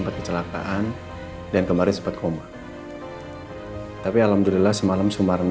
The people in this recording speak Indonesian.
masih ada yang tidak tahu